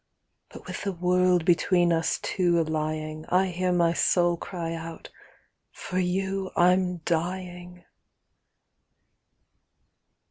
But with the world between us two A lying, I hear my soul cry out, "For you I'm dying!"